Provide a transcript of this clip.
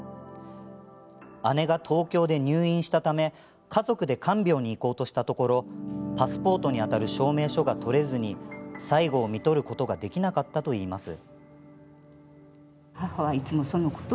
姉が東京で入院したため家族で看病に行こうとしたところパスポートにあたる証明書が取れずに最後をみとることができなかったといいます。